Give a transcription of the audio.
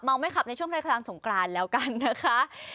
เมาไม่ขับในช่วงในทางสงกรานแล้วกันนะคะ